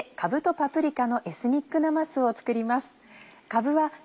パプリカのエスニックなますを作ります。